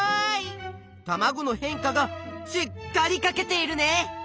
たまごの変化がしっかりかけているね！